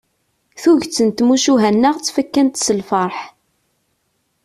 Tuget n tmucuha-nneɣ ttfakkant s lferḥ.